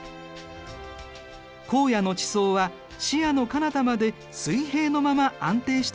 荒野の地層は視野のかなたまで水平のまま安定していることが分かる。